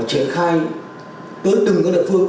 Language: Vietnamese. và triển khai tới từng đợt phương